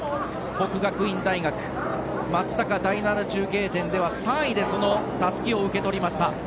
國學院大學松阪第７中継点では３位でそのたすきを受け取りました。